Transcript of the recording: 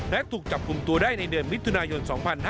และถูกจับกลุ่มตัวได้ในเดือนมิถุนายน๒๕๕๙